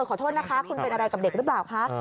ขอโทษนะคะคุณเป็นอะไรกับเด็กหรือเปล่าคะ